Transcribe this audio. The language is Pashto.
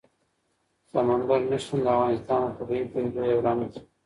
سمندر نه شتون د افغانستان د طبیعي پدیدو یو رنګ دی.